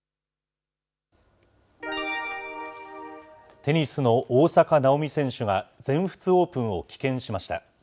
テニスの大坂なおみ選手が、全仏オープンを棄権しました。